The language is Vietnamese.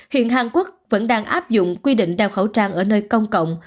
hiện hàn quốc vẫn đang áp dụng quy định đeo khẩu trang ở nơi công cộng